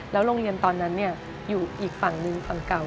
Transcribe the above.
โรงเรียนตอนนั้นอยู่อีกฝั่งหนึ่งฝั่งเก่า